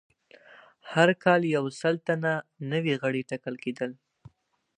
هر کال یو سل تنه نوي غړي ټاکل کېدل